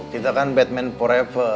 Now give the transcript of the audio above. kita kan batman forever